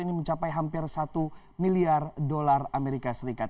ini mencapai hampir satu miliar dolar amerika serikat